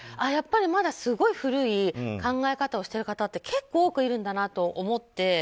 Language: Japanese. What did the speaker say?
やっぱりまだすごい古い考え方をしてる方って結構多くいるんだなと思って。